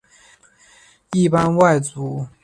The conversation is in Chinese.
一般外族。